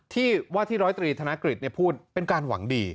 ที่ว่าที่ร้อยตรีธนกฤษพูดเป็นการหวังดี